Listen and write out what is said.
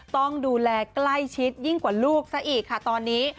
ต้องดูแลใกล้ชิดยิ่งกว่าลูกซะอีกค่ะตอนนี้